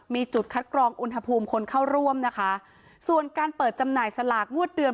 มีจุดคัดกรองอุณหภูมิคนเข้าร่วมนะคะส่วนการเปิดจำหน่ายสลากงวดเดือน